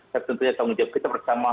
tapi tentunya tanggung jawab kita bersama